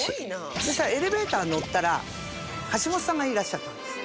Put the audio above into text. そしたらエレベーターに乗ったら橋本さんがいらっしゃったんです。